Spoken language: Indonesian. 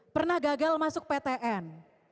pernah gagal masuk ptn